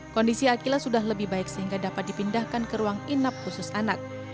kondisi akila sudah lebih baik sehingga dapat dipindahkan ke ruang inap khusus anak